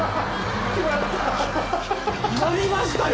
やりましたよ！